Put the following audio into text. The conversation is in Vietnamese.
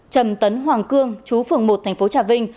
trầm tấn hoàng cương chú phường một tp trà vinh